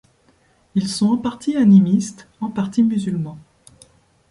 Ils sont en partie animistes en partie musulmans.